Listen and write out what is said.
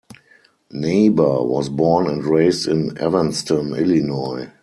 Naber was born and raised in Evanston, Illinois.